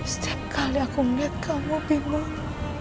setiap kali aku melihat kamu bingung